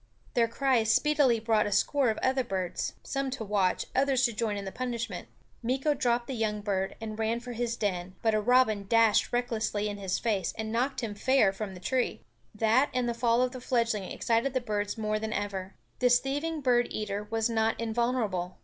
Their cries speedily brought a score of other birds, some to watch, others to join in the punishment. Meeko dropped the young bird and ran for his den; but a robin dashed recklessly in his face and knocked him fair from the tree. That and the fall of the fledgeling excited the birds more than ever. This thieving bird eater was not invulnerable.